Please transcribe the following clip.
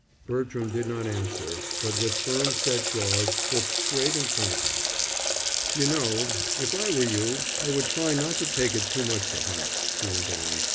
Bertram did not answer, but with firm set jaws looked straight in front of him. "You know, if I were you I would try not to take it too much to heart," he went on.